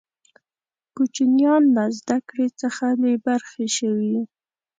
کوچنیان له زده کړي څخه بې برخې شوې.